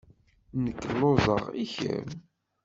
Nekk lluẓeɣ. I kemm?